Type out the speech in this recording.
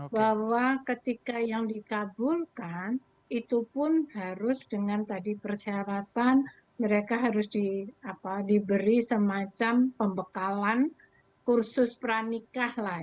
bahwa ketika yang dikabulkan itu pun harus dengan tadi persyaratan mereka harus diberi semacam pembekalan kursus pernikah lah